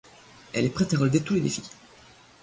Elle est prête à relever tous les défis.